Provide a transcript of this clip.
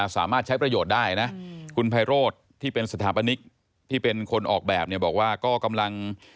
สามารถใช้ประโยชน์ได้นะคุณไพโรธที่เป็นสถาปนิกที่เป็นคนออกแบบเนี่ยบอกว่าก็กำลัง